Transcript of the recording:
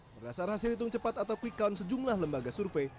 berdasar hasil hitung cepat atau quick count sejumlah lembaga survei